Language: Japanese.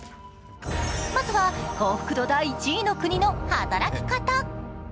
まずは幸福度第１位の国の働き方。